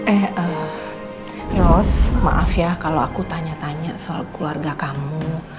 eh ros maaf ya kalau aku tanya tanya soal keluarga kamu